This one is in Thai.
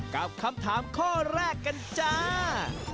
กับคำถามข้อแรกกันจ้า